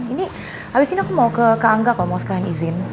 ini abis ini aku mau ke kak angga kok mau sekalian izin